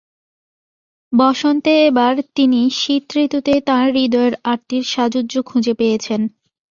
বসন্তে এবার তিনি শীত ঋতুতেই তাঁর হূদয়ের আর্তির সাযুজ্য খুঁজে পেয়েছেন।